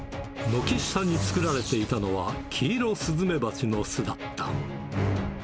軒下に作られていたのは、キイロスズメバチの巣だった。